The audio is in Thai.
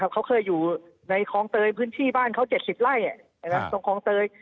เขาเคยอยู่ในคลองเตยพื้นที่บ้านเขา๗๐ไร่ตรงคลองเตย